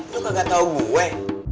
lu kagak tau gue